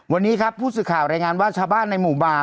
วันนี้ครับผู้สื่อข่าวรายงานว่าชาวบ้านในหมู่บ้าน